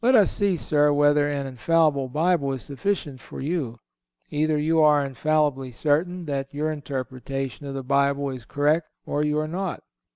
Let us see, sir, whether an infallible Bible is sufficient for you. Either you are infallibly certain that your interpretation of the Bible is correct or you are not.